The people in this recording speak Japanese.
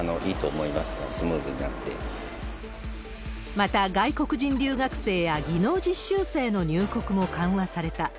また、外国人留学生や技能実習生の入国も緩和された。